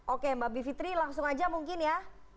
oke mbak bivitri langsung aja mungkin ya